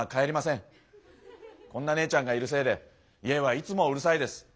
こんな姉ちゃんがいるせいで家はいつもうるさいです。